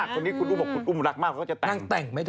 คนที่คุณอุมว่าเขาก็จะแต่ง